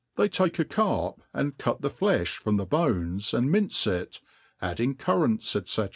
They take a carp, find cut the flelb. from the bones, and mince it, adding cur* f4nt8, ice.